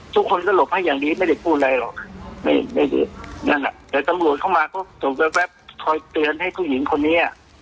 ทุกคนก็หลบให้อย่างดีไม่ได้พูดอะไรหรอกแต่ตำรวจเข้ามาก็จบแวบคอยเตือนให้ผู้หญิงคนนี้อ่ะ